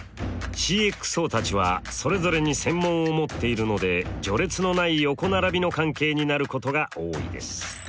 ＣｘＯたちはそれぞれに専門を持っているので序列のない横並びの関係になることが多いです。